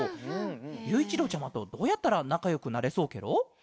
ゆういちろうちゃまとどうやったらなかよくなれそうケロ？